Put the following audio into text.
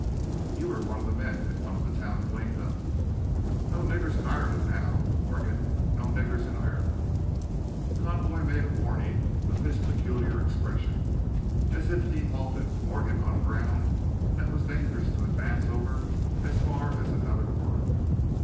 "You were one of the men that wanted the town cleaned up." "No niggers in Ireland, now, Morgan no o o niggers in Ireland!" Conboy made a warning of his peculiar expression, as if he halted Morgan on ground that was dangerous to advance over as far as another word.